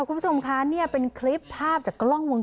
คุณผู้ชมคะเนี่ยเป็นคลิปภาพจากกล้องวง